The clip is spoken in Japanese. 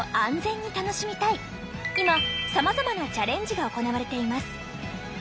今さまざまなチャレンジが行われています。